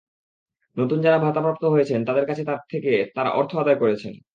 নতুন যাঁরা ভাতাপ্রাপ্ত হয়েছেন, তাঁদের কাছ থেকে তাঁরা অর্থ আদায় করেছেন।